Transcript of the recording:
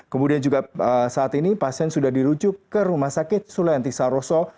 kemudian juga saat ini pasien sudah dirujuk ke rumah sakit sulianti saroso